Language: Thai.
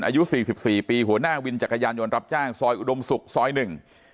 อายุสี่สิบสี่ปีหัวหน้าวินจักรยานยนต์รับจ้างซอยอุดมศุกร์ซอยหนึ่ง